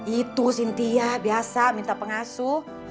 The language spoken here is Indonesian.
itu sintia biasa minta pengasuh